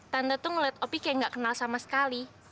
tante tuh ngelihat opi kayak nggak kenal sama sekali